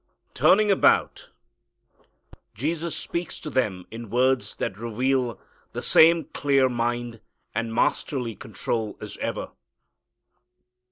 Turning about, Jesus speaks to them in words that reveal the same clear mind and masterly control as ever.